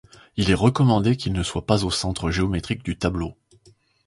Il est recommandé qu’il ne soit pas au centre géométrique du tableau.